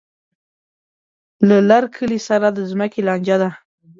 له لر کلي سره د ځمکې لانجه ده.